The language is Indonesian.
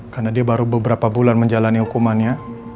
karena dia baru beberapa bulan menjalani hukumannya